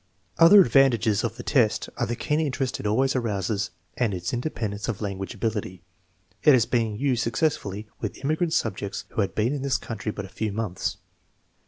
Other advantages of the test are the keen interest it always arouses and its independence of language ability. It has been used successfully with immigrant subjects who had been in this country but a few months.